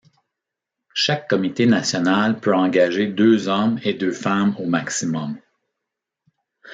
Chaque comité national peut engager deux hommes et deux femmes au maximum.